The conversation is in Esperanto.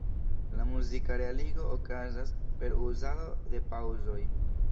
La muzika realigo okazas per uzado de paŭzoj.